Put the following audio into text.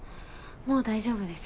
もう大丈夫です。